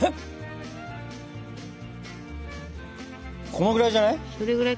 このぐらいじゃない？